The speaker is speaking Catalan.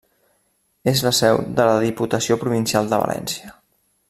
És la seu de la Diputació Provincial de València.